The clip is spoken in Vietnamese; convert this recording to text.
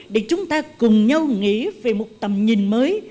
để chúng ta cùng nhau nghĩ về một tầm nhìn mới